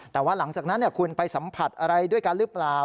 แต่ว่าหลังจากนั้นคุณไปสัมผัสอะไรด้วยกันหรือเปล่า